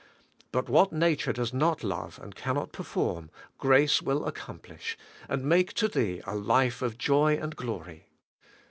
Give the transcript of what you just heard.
But what nature does not love and cannot perform, grace will accomplish, and make to thee a life of joy and glory.